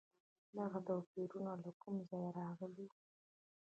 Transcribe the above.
دغه توپیرونه له کوم ځایه راغلي وو؟